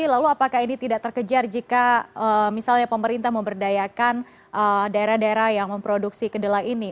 lalu apakah ini tidak terkejar jika misalnya pemerintah memberdayakan daerah daerah yang memproduksi kedelai ini